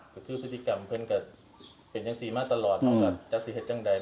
ก็คือพฤติกรรมเพื่อนกับเป็นเจ้าสีมาตลอด